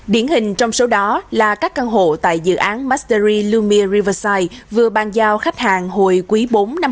điển hình trong số đó là các căn hộ tại dự án mastery lumiere riverside vừa ban giao khách hàng hồi quý bốn năm hai nghìn hai mươi ba